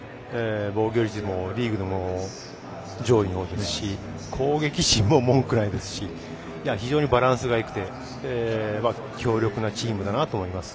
防御率もリーグでも、上位ですし攻撃陣も文句ないですし非常にバランスがよくて強力なチームだなと思います。